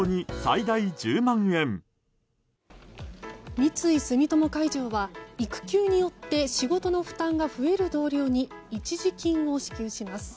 三井住友海上は育休によって仕事の負担が増える同僚に一時金を支給します。